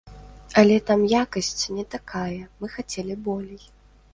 Але там якасць не такая, мы хацелі болей.